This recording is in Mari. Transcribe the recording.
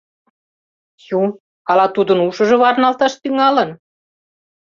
Чу, ала тудын ушыжо варналташ тӱҥалын?